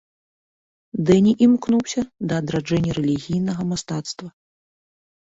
Дэні імкнуўся да адраджэння рэлігійнага мастацтва.